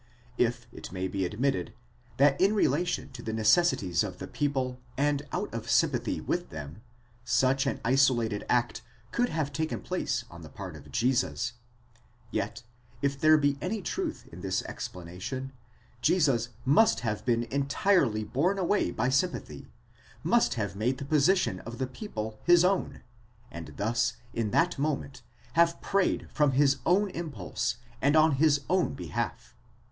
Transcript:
If it may be admitted that in relation to the necessities of the people, and out of sympathy with them, such an isolated act could have taken place on the part of Jesus ; yet, if there be any truth in this explanation, Jesus must have been entirely borne away by sympathy, must have made the position of the people his own, and thus in that moment have prayed from his own impulse, and on his own behalf.